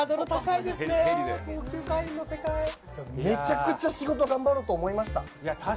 めちゃくちゃ仕事頑張ろうと思いました。